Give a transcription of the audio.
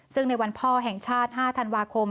ซึ่งในวันพ่อแห่งชาติ๕ธันวาคม